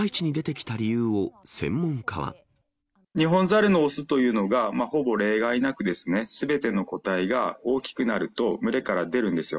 ニホンザルの雄というのがほぼ例外なくですね、すべての個体が大きくなると群れから出るんですよ。